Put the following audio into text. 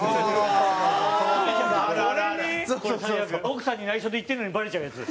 奥さんに内緒で行ってるのにバレちゃうやつ。